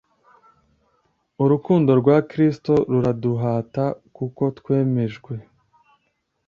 Urukundo rwa Kristo ruraduhata kuko twemejwe